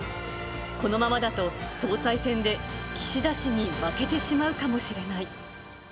このままだと、総裁選で岸田氏に負けてしまうかもしれない。